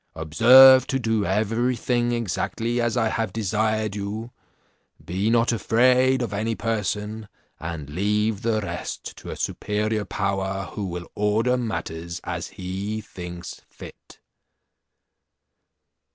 Observe to do everything exactly as I have desired you; be not afraid of any person, and leave the rest to a superior power, who will order matters as he thinks fit."